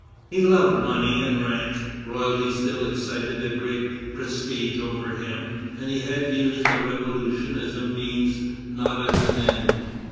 He loved money and rank; royalty still excited a great prestige over him, and he had used the Revolution as a means, not as an end.